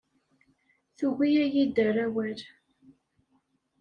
Tugi ad iyi-d-terr awal.